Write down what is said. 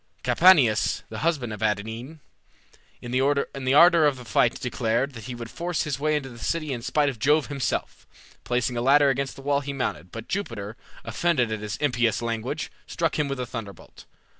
Capaneus, the husband of Evadne, in the ardor of the fight declared that he would force his way into the city in spite of Jove himself. Placing a ladder against the wall he mounted, but Jupiter, offended at his impious language, struck him with a thunderbolt.